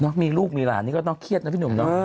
มีลูกมีหลานนี่ก็ต้องเครียดนะพี่หนุ่มเนาะ